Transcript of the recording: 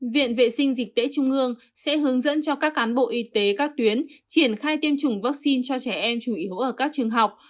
viện vệ sinh dịch tễ trung ương sẽ hướng dẫn cho các cán bộ y tế các tuyến triển khai tiêm chủng vaccine cho trẻ em chủ yếu ở các trường học